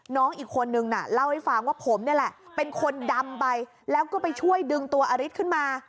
น้องอีกคนนึงน่ะเล่าให้ฟังว่าผมนี่แหละเป็นคนดำไปแล้วก็ไปช่วยดึงตัวอริสขึ้นมา